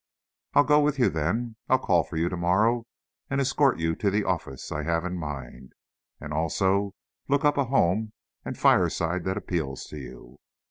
"I'll go with you then. I'll call for you tomorrow, and escort you to the office I have in mind, and also, look up a home and fireside that appeals to you."